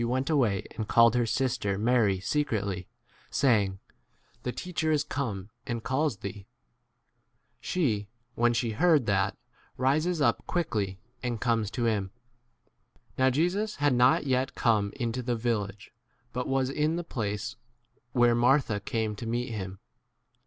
went away and called her sister Mary secretly, saying, The teacher 29 is come and calls thee. She, ff when she heard [that], rises up 30 quickly and comes to him. Now Jesus had not yet come into the village, but was in the place where 31 Martha came to meet him.